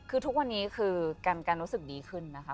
คือทุกวันนี้คือการรู้สึกดีขึ้นนะคะ